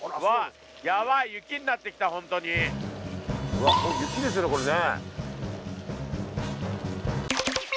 うわっ雪ですよねこれね。